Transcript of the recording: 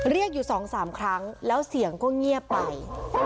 เรียกอยู่๒๓ครั้งแล้วเสียงก็เงียบไป